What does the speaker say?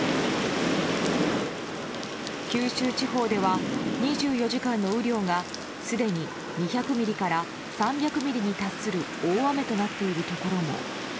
九州地方では２４時間の雨量がすでに２００ミリから３００ミリに達する大雨となっているところも。